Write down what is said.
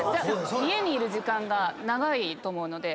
家にいる時間が長いと思うので。